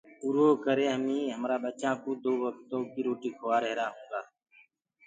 ڪري هميٚنٚ همرآ ٻچآنٚ ڪوٚ دو وڪتآنٚ ڪيٚ روُٽي کُواهيرآئونٚ۔